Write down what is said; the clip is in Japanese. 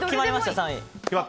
３位。